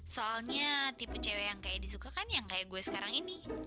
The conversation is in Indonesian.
soalnya tipe cewek yang kayak edi suka kan yang kayak gue sekarang ini